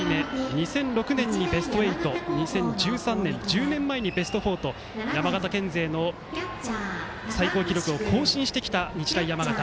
２００６年にベスト８２０１３年１０年前にベスト４と山形県勢の最高記録を更新してきた日大山形。